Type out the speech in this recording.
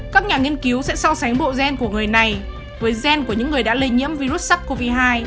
các nhà nghiên cứu sẽ so sánh bộ gen của người này với gen của những người đã lây nhiễm virus sars cov hai